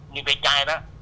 như cái chai đó